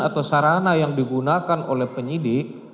atau sarana yang digunakan oleh penyidik